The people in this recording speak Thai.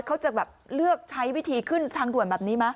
เขาจะแบบเลือกใช้วิธีขึ้นทางด่วนแบบนี้ไหม